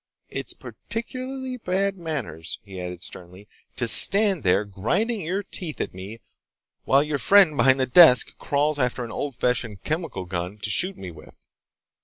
"It's particularly bad manners," he added sternly, "to stand there grinding your teeth at me while your friend behind the desk crawls after an old fashioned chemical gun to shoot me with."